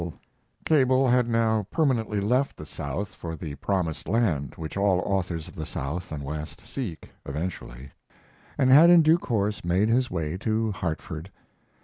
Cable had now permanently left the South for the promised land which all authors of the South and West seek eventually, and had in due course made his way to Hartford.